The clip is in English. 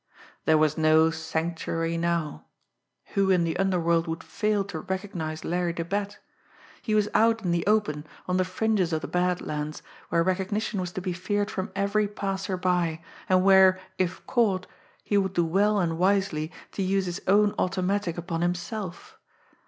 There was no "sanctuary" now. Who in the underworld would fail to recognise Larry the Bat! He was out in the open, on the fringes of the Bad Lands, where recognition was to be feared from every passer by, and where, if caught, he would do well and wisely to use his own automatic upon himself!